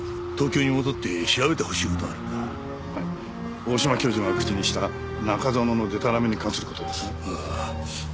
大島教授が口にした「中園のでたらめ」に関する事ですね？